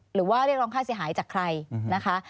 หรือว่าเรียกร้องค่าเสียหายจากใครนะคะ